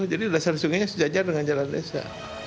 jadi dasar sungainya sejajar dengan jalan desa